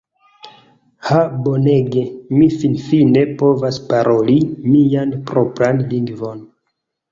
"Ha bonege! Mi finfine povas paroli mian propran lingvon!"